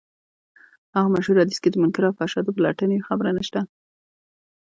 هغه مشهور حديث کې د منکر او فحشا د پلټنې خبره نشته.